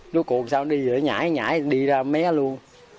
lúc cọng sao nó đi nó nhảy nhảy đi ra mé luôn